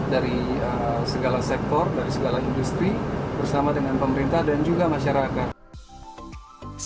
dari segala sektor dari segala industri bersama dengan pemerintah dan juga masyarakat